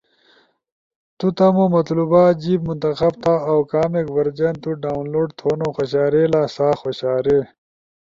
تو تمو مطلوبہ جیب منتخب تھا اؤ کامیک ورژن تو ڈاونلوڈ تھونو خوشارئیلا سا خوشارے۔